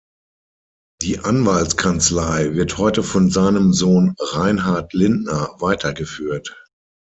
Die Anwaltskanzlei wird heute von seinem Sohn Reinhard Lindner weitergeführt.